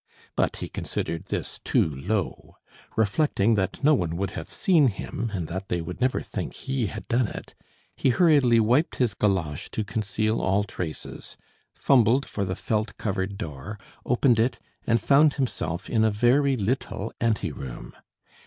But he considered this too low. Reflecting that no one would have seen him, and that they would never think he had done it, he hurriedly wiped his galosh to conceal all traces, fumbled for the felt covered door, opened it and found himself in a very little ante room.